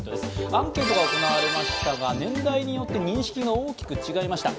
アンケートが行われましたが、年代によって認識が大きく違いました。